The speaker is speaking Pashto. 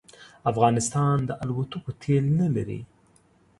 افغانستان د الوتکو تېل نه لري